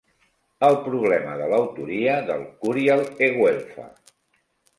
El problema de l'autoria del 'Curial e Güelfa'.